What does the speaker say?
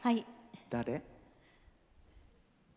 誰？